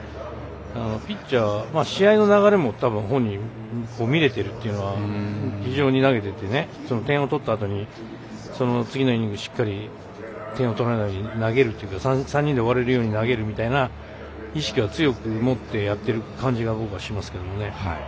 ピッチャー、試合の流れも本人、見えているっていうのが非常に投げていて点を取ったあとに次のイニングしっかり点を取らないで投げるというか３人で終われるように投げるみたいな意識は強く持ってやっている感じは僕はしますけどね。